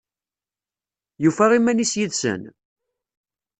Yufa iman-is yid-sen?